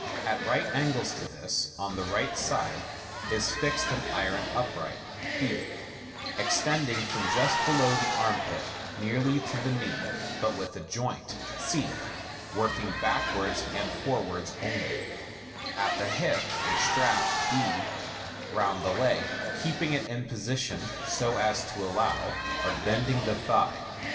At right angles to this, on the right side, is fixed aiv iron upright, b b, extending from just below the armpit nearly to the knee, but with a joint c (working backwards and forwards only) at the hip, a strap d, round the leg, keeping it in position, so as to allow 50o MODERN MAGIC. of bending the thigh.